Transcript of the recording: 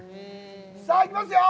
さあ、行きますよ。